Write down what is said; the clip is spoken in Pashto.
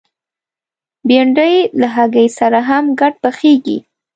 بېنډۍ له هګۍ سره هم ګډ پخېږي